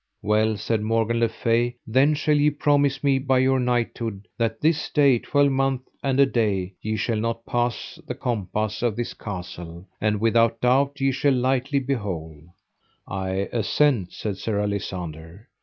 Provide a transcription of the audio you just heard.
Well, said Morgan le Fay, then shall ye promise me by your knighthood that this day twelvemonth and a day ye shall not pass the compass of this castle, and without doubt ye shall lightly be whole. I assent, said Sir Alisander.